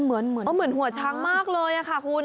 เหมือนหัวช้างมากเลยค่ะคุณ